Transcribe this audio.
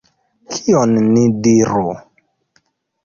Kion ni diru?